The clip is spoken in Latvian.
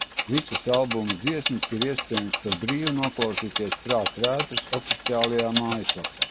Visas albuma dziesmas ir iespējams par brīvu noklausīties Prāta Vētras oficiālajā mājas lapā.